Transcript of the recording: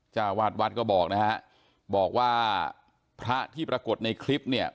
เจ้าวาดวัดก็บอกนะฮะบอกว่าพระที่ปรากฏในคลิปเนี่ย